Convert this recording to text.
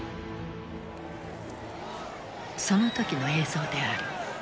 その時の映像である。